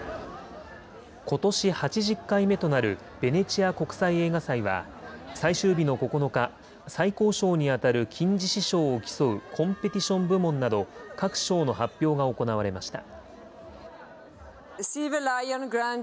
ことし８０回目となるベネチア国際映画祭は、最終日の９日、最高賞に当たる金獅子賞を競うコンペティション部門など各賞の発表が行われました。